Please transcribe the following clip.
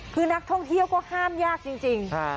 คือนักท่องเที่ยวก็ห้ามยากจริง